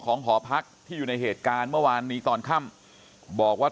ตรของหอพักที่อยู่ในเหตุการณ์เมื่อวานนี้ตอนค่ำบอกให้ช่วยเรียกตำรวจให้หน่อย